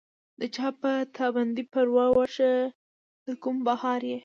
د چا پۀ تا باندې پرواه، واښۀ د کوم پهاړ ئې